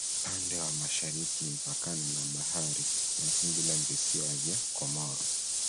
pande wa mashariki imepakana na bahari ya hindi na visiwa vya komoro